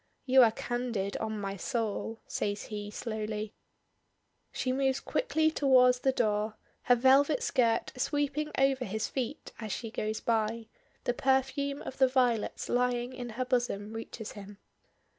"You are candid, on my soul," says he slowly. She moves quickly towards the door, her velvet skirt sweeping over his feet as she goes by the perfume of the violets lying in her bosom reaches him.